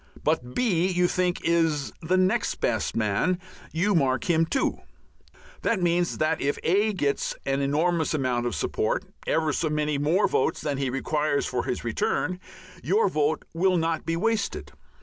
But B you think is the next best man; you mark him 2. That means that if A gets an enormous amount of support, ever so many more votes than he requires for his return, your vote will not be wasted.